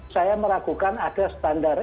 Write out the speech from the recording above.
saya meragukan ada standar